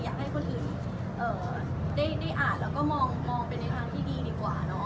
อยากให้คนอื่นได้อ่านแล้วก็มองไปในทางที่ดีดีกว่าเนาะ